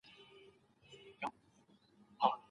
موږ د خپلو غوښتنو په اړه تېروتنې کوو.